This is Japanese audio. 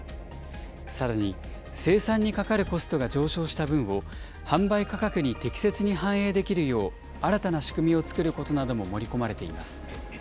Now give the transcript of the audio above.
さらに生産にかかるコストが上昇した分を販売価格に適切に反映できるよう、新たな仕組みを作ることなども盛り込まれています。